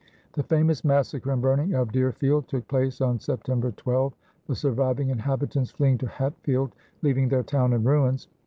The famous massacre and burning of Deerfield took place on September 12, the surviving inhabitants fleeing to Hatfield, leaving their town in ruins.